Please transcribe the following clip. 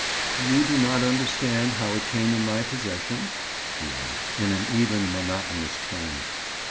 "You do not understand how it came in my possession?" he asked, in an even monotonous tone.